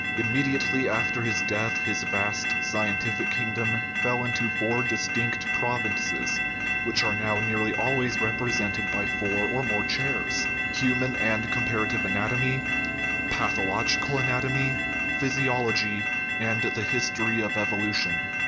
Immediately after his death his vast scientific kingdom fell into four distinct prov inces, which are now nearly always represented by four or more chairs human and comparative anat omy, pathological anatomy, physiology, and the his tory of evolution.